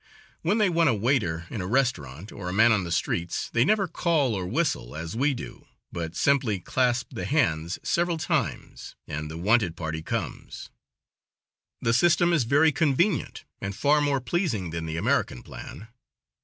When they want a waiter in a restaurant, or a man on the streets, they never call or whistle, as we would do, but simply clap the hands several times and the wanted party comes. The system is very convenient, and far more pleasing than the American plan.